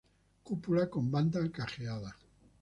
Cúpula con bandas cajeadas.